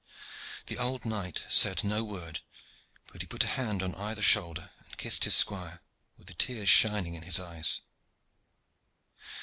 The old knight said no word, but he put a hand on either shoulder, and kissed his squire, with the tears shining in his eyes.